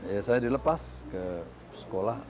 ya saya dilepas ke sekolah